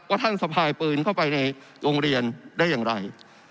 ท่านสะพายปืนเข้าไปในโรงเรียนได้อย่างไร